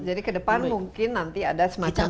jadi ke depan mungkin nanti ada semacam